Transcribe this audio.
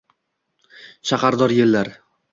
shahardor yellar